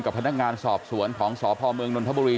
กับพนักงานสอบสวนของสพมนทบุรี